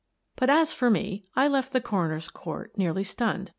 But, as for me, I left the coroner's court nearly stunned.